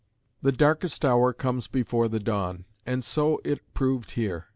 The darkest hour comes before the dawn, and so it proved here.